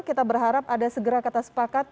kita berharap ada segera kata sepakat